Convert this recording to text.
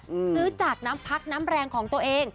ซื้อจากน้ำพักน้ำแรงของตัวเอง